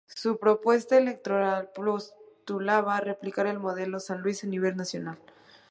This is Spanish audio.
Su propuesta electoral postulaba replicar el modelo "San Luis" a nivel nacional.